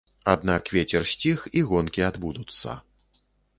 Аднак вецер сціх і гонкі адбудуцца.